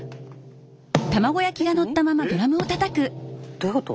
どういうこと？